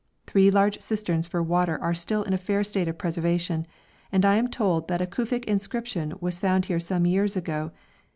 Three large cisterns for water are still in a fair state of preservation, and I am told that a Kufic inscription was found here some years ago.